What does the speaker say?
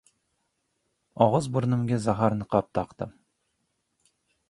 Og‘iz-burnimga zaharniqob taqdim.